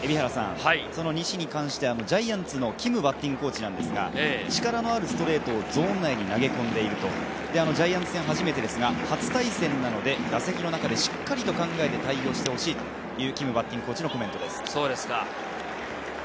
西に関してジャイアンツのキムバッティングコーチですが、力のあるストレートをゾーン内に投げ込んでいると、ジャイアンツ戦初めてですが、初対戦なので打席の中でしっかりと考えて対応してほしいというキムバッティングコーチのコメントです。